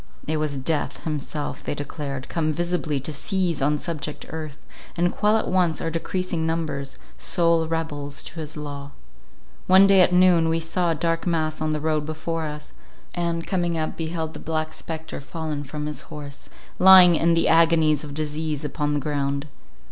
It was Death himself, they declared, come visibly to seize on subject earth, and quell at once our decreasing numbers, sole rebels to his law. One day at noon, we saw a dark mass on the road before us, and, coming up, beheld the Black Spectre fallen from his horse, lying in the agonies of disease upon the ground.